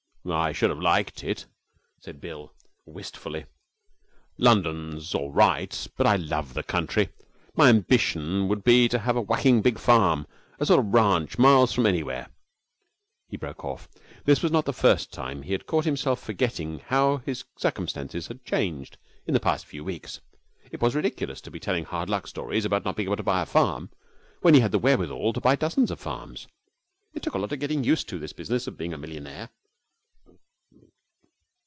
'I should have liked it,' said Bill, wistfully. 'London's all right, but I love the country. My ambition would be to have a whacking big farm, a sort of ranch, miles away from anywhere ' He broke off. This was not the first time he had caught himself forgetting how his circumstances had changed in the past few weeks. It was ridiculous to be telling hard luck stories about not being able to buy a farm, when he had the wherewithal to buy dozens of farms. It took a lot of getting used to, this business of being a millionaire.